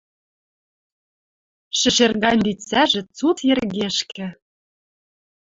Шӹшер гань лицӓжӹ цуц йӹргешкӹ